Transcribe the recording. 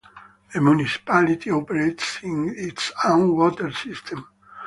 The municipality operates its own water system.